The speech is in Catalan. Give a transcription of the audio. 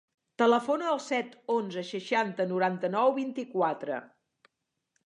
Telefona al set, onze, seixanta, noranta-nou, vint-i-quatre.